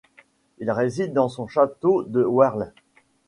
Il réside dans son château de Werle.